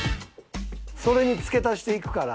それに付け足していくから。